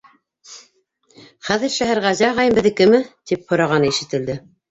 Хәҙер Шәһәрғәзе ағайым беҙҙекеме?— тип һорағаны ишетелде.